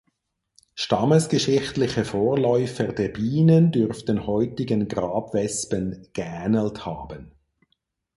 Stammesgeschichtliche Vorläufer der Bienen dürften heutigen Grabwespen, geähnelt haben.